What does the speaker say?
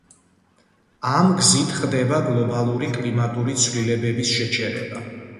ამ გზით ხდება გლობალურად კლიმატური ცვლილების შეჩერება.